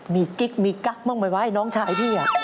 มีกิ๊กมีกั๊กบ้างไหมวะน้องชายพี่